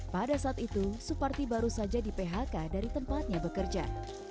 pada saat itu suparti baru saja di phk dari tempatnya bekerja